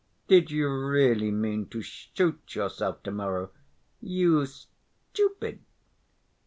Did you really mean to shoot yourself to‐morrow, you stupid?